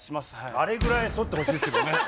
あれぐらい反ってほしいですけどね。